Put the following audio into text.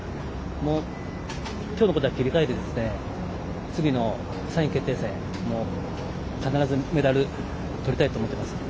もうきょうのことは切り替えて次の３位決定戦必ずメダル、取りたいと思っています。